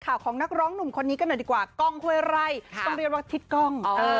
ข่าวของนักร้องหนุ่มคนอีกก็หน่อยดีกว่ากรองคืออะไรต้องเรียนว่าทิศกรอง